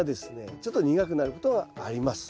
ちょっと苦くなることがあります。